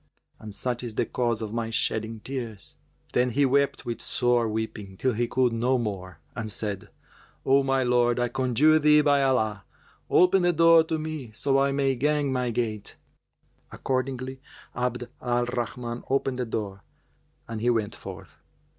And such is the cause of my shedding tears!" Then he wept with sore weeping till he could no more and said, "O my lord, I conjure thee by Allah, open the door to me, so I may gang my gait!" Accordingly Abd al Rahman opened the door and he went forth.